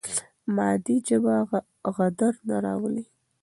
مادي ژبه غدر نه راولي.